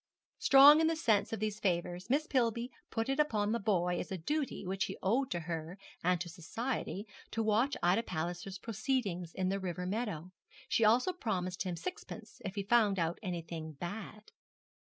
Strong in the sense of these favours, Miss Pillby put it upon the boy as a duty which he owed to her and to society to watch Ida Palliser's proceedings in the river meadow. She also promised him sixpence if he found out anything bad.